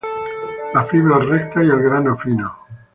La fibra es recta y el grano fino.